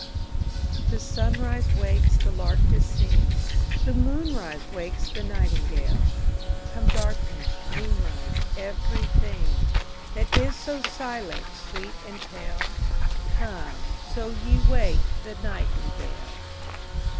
The sunrise wakes the lark to sing, The moonrise wakes the nightingale. Come darkness, moonrise, every thing That is so silent, sweet, and pale: Come, so ye wake the nightingale.